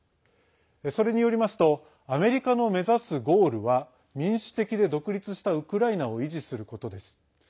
それによりますとアメリカの目指すゴールは民主的で独立したウクライナを維持することです。